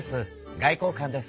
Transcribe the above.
外交官です。